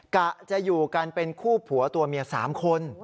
กะจะอยู่กันเป็นคู่ผัวตัวเมีย๓คน